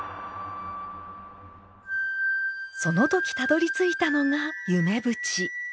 その時たどりついたのが夢淵。